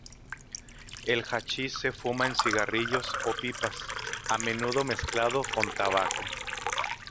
El hachís se fuma en cigarrillos o pipas, a menudo mezclado con tabaco.